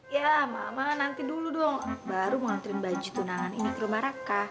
ya mama nanti dulu dong baru mau anterin baju tunangan ini ke rumah raka